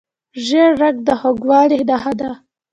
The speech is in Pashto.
ژیړ رنګ د خوږوالي نښه ده.